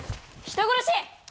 人殺し！